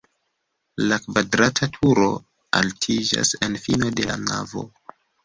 La kvadrata turo altiĝas en fino de la navo.